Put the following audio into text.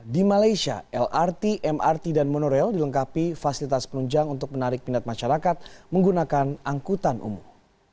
di malaysia lrt mrt dan monorail dilengkapi fasilitas penunjang untuk menarik minat masyarakat menggunakan angkutan umum